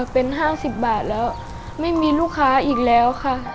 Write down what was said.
เป็น๕๐บาทแล้วไม่มีลูกค้าอีกแล้วค่ะ